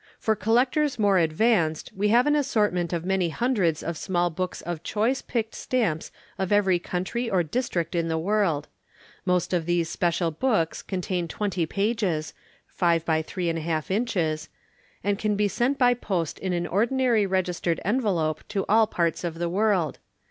For Collectors more advanced we have an assortment of many hundreds of small books of Choice picked Stamps of every Country or District in the World. Most of these special books contain twenty pages (5×3 1/2 inches), and can be sent by post in an ordinary registered envelope to all parts of the world.